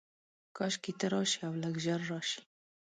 کاشکي ته راشې، اولږ ژر راشې